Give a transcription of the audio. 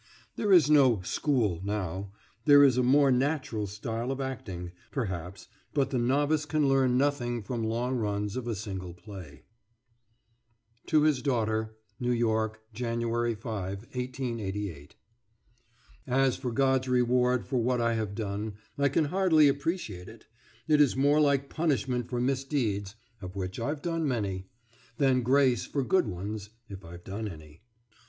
There is no "school" now; there is a more natural style of acting, perhaps, but the novice can learn nothing from long runs of a single play ... TO HIS DAUGHTER NEW YORK, January 5, 1888, ... As for God's reward for what I have done, I can hardly appreciate it; it is more like punishment for misdeeds (of which I've done many) than grace for good ones (if I've done any).